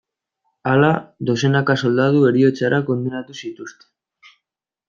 Hala, dozenaka soldadu heriotzara kondenatu zituzten.